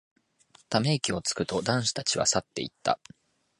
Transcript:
ため息をつくと、男子たちは散っていった。